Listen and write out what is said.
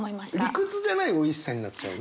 理屈じゃないおいしさになっちゃうね。